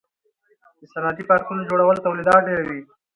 د صنعتي پارکونو جوړول تولیدات ډیروي.